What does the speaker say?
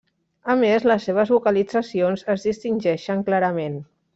A més, les seves vocalitzacions es distingeixen clarament.